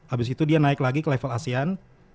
abis itu dia naik lagi ke level asean